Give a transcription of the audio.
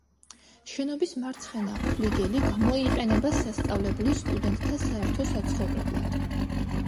შენობის მარცხენა ფლიგელი გამოიყენება სასწავლებლის სტუდენტთა საერთო საცხოვრებლად.